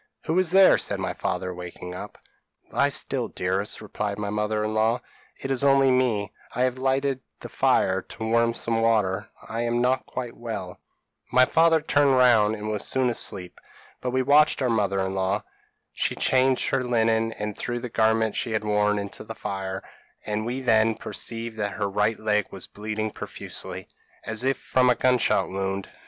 p> "'Who is there?' said my father, waking up. "'Lie still, dearest,' replied my mother in law; 'it is only me; I have lighted the fire to warm some water; I am not quite well.' "My father turned round, and was soon asleep; but we watched our mother in law. She changed her linen, and threw the garments she had worn into the fire; and we then perceived that her right leg was bleeding profusely, as if from a gun shot wound.